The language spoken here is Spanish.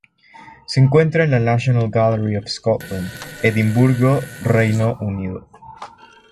Se encuentra en la National Gallery of Scotland, Edimburgo, Reino Unido.